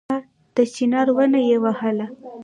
د چينار ونه يې ووهله